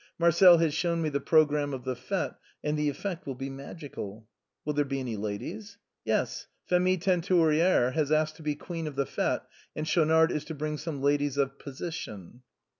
Marcel has shown me the programme of the fête, and the effect will be magical.' "Will there be any ladies?" " Yes. Phémie Teinturière has asked to be queen of the fête, and Schaunard is to bring some ladies of position."